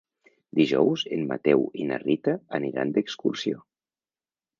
Dijous en Mateu i na Rita aniran d'excursió.